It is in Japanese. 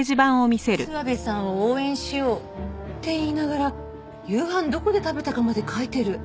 諏訪部さんを応援しようって言いながら夕飯どこで食べたかまで書いてる。